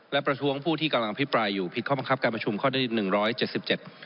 และประท้วงผู้ที่กำลังพิปรายอยู่ผิดความประคับการประชุมข้อที่๑๗๗